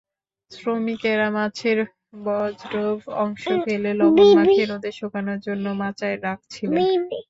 শ্রমিকেরা মাছের বর্জ্য অংশ ফেলে, লবণ মাখিয়ে রোদে শুকানোর জন্য মাচায় রাখছিলেন।